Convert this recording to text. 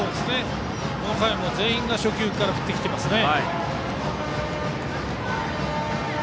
この回も全員が初球から振ってきていますね。